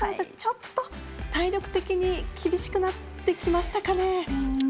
ちょっと、体力的に厳しくなってきましたかね。